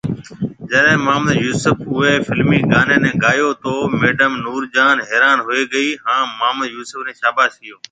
جڏي محمد يوسف اوئي فلمي گاني ني گايو تو ميڊم نور جهان حيران هوئي گئي هان محمد يوسف ني شاباش ڪهيو